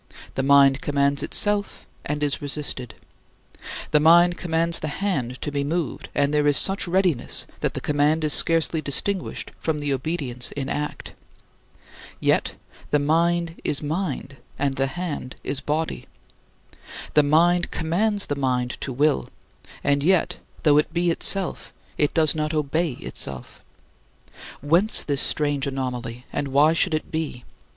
The mind commands itself and is resisted. The mind commands the hand to be moved and there is such readiness that the command is scarcely distinguished from the obedience in act. Yet the mind is mind, and the hand is body. The mind commands the mind to will, and yet though it be itself it does not obey itself. Whence this strange anomaly and why should it be?